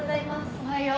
おはよう。